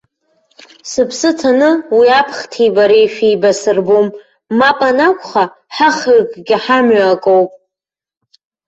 Сыԥсы ҭаны уи аԥхҭи бареи шәеибасырбом, мап анакәха, ҳахҩыкгьы ҳамҩа акоуп!